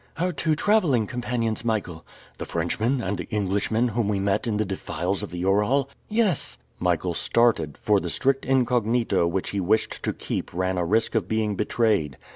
"Our two traveling companions, Michael." "The Frenchman and the Englishman whom we met in the defiles of the Ural?" "Yes." Michael started, for the strict incognito which he wished to keep ran a risk of being betrayed.